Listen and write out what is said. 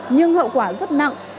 nhưng hậu quả rất nặng